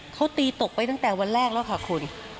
เขาตีตกไปตั้งแต่วันแรกแล้วค่ะคุณ